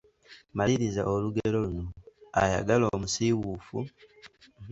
Maliriza olugero luno: Ayagala omusiiwuufu…